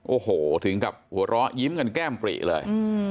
โอ้โหถึงกับหัวเราะยิ้มกันแก้มปรีเลย